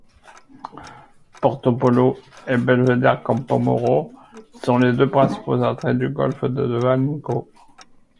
Porto-Pollo et Belvédère-Campomoro sont les deux principaux attraits du golfe du Valinco.